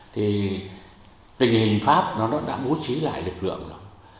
thì tình hình pháp nó đã bố trí lại lực lượng rồi